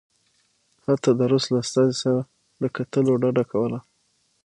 حتی د روس له استازي سره له کتلو ډډه کوله.